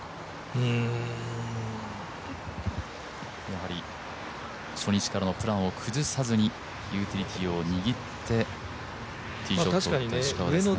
やはり初日からのプランを崩さずにユーティリティーを握ってティーショットを打った石川です。